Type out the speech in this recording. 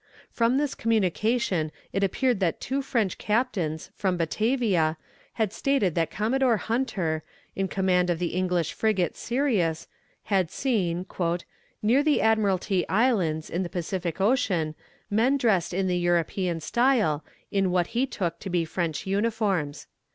From this communication it appeared that two French captains, from Batavia, had stated that Commodore Hunter, in command of the English frigate Syrius, had seen, "near the Admiralty Islands, in the Pacific Ocean, men dressed in the European style, and in what he took to be French uniforms."